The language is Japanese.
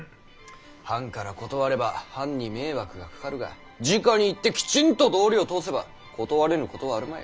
藩から断れば藩に迷惑がかかるがじかに行ってきちんと道理を通せば断れぬことはあるまい。